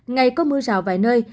ngày có mưa rào vài nơi